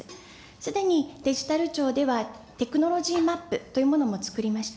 すでにデジタル庁ではテクノロジーマップというものも作りました。